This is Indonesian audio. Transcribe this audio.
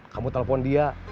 kamu telepon dia